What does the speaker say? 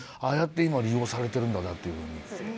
ああやって今利用されてるんだなというふうに。